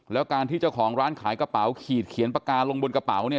แล้วการที่เจ้าของร้านขายกระเป๋าขีดเขียนปากกาลงบนกระเป๋าเนี่ย